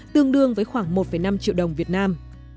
tương đương với khoảng một năm triệu đồng việt nam